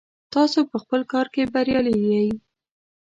تاسو په خپل کار کې بریالي یئ.